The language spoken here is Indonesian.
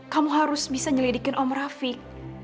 kamu harus bisa ngelidikin om rafiq